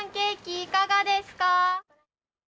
いかがですか！